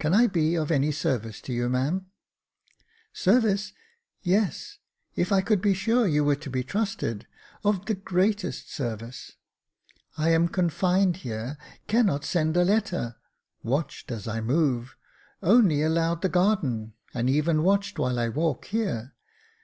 Can I be of any service to you, ma'am ?"Service — yes, if I could be sure you were to be trusted — of the greatest service. I am confined here — cannot send a letter — watched as I move — only allowed the garden, and even watched while I walk here.